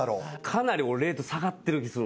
かなり俺レート下がってる気する。